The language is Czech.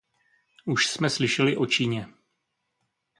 Už jsme slyšeli o Číně.